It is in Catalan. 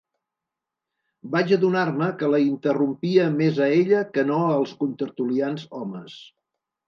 Vaig adonar-me que la interrompia més a ella que no als contertulians homes.